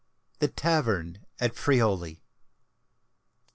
THE TAVERN AT FRIULI.